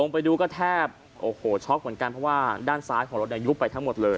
เพราะว่าด้านซ้ายของรถยุบไปทั้งหมดเลย